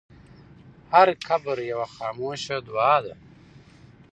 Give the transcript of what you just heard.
هر قبر یوه خاموشه دعا ده.